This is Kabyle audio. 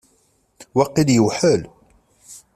Waqil yewḥel.